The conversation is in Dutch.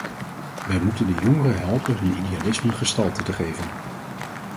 Wij moeten de jongeren helpen hun idealisme gestalte te geven.